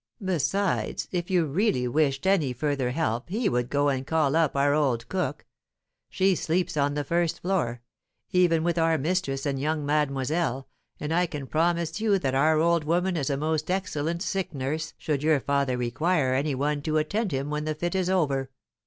Besides, if you really wished any further help he would go and call up our old cook; she sleeps on the first floor, even with our mistress and young mademoiselle, and I can promise you that our old woman is a most excellent sick nurse should your father require any one to attend to him when the fit is over."